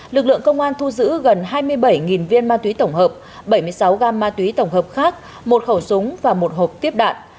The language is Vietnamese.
lực lượng công an thu giữ gần hai mươi bảy viên ma túy tổng hợp bảy mươi sáu gam ma túy tổng hợp khác một khẩu súng và một hộp tiếp đạn